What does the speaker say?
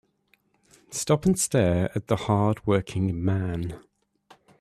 Stop and stare at the hard working man.